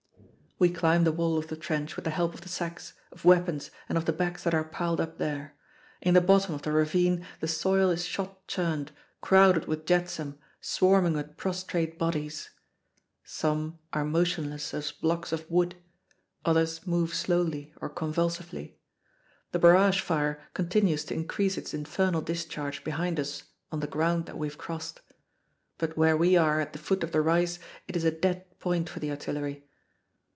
We climb the wall of the trench with the help of the sacks, of weapons, and of the backs that are piled up there. In the bottom of the ravine the soil is shot churned, crowded with jetsam, swarming with prostrate bodies. Some are motionless as blocks of wood; others move slowly or convulsively. The barrage fire continues to increase its infernal discharge behind us on the ground that we have crossed. But where we are at the foot of the rise it is a dead point for the artillery.